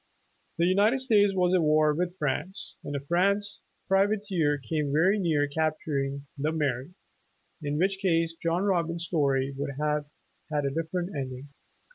The United States was at war with France, and a French privateer came very near capturing the ''Mary," in which case John Robbins' story would have had a different ending.